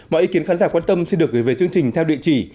mọi ý kiến khán giả quan tâm xin được gửi về chương trình theo địa chỉ